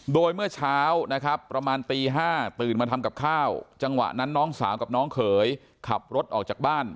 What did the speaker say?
โดยเมื่อเช้านะครับประมาณตี๕ตื่นมาทำกับข้าวจังหวะนั้นน้องสาวกับน้องเขยขับรถออกจากบ้าน